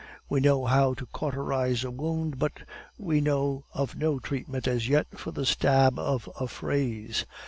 We know how to cauterize a wound, but we know of no treatment as yet for the stab of a phrase.